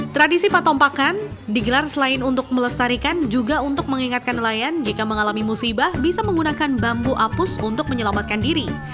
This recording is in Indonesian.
tradisi patompakan digelar selain untuk melestarikan juga untuk mengingatkan nelayan jika mengalami musibah bisa menggunakan bambu apus untuk menyelamatkan diri